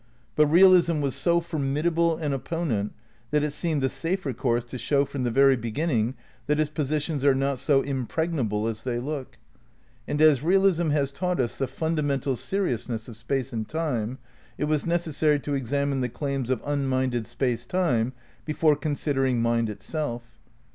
But realism was so formidable an le™^ opponent that it seemed the safer course to show from the very beginning that its positions are not so impreg nable as they look. And as realism has taught us the fundamental seriousness of Space and Time, it was nec essary to examine the claims of unminded Space Time before considering mind itself.